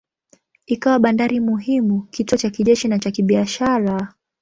Ikawa bandari muhimu, kituo cha kijeshi na cha kibiashara.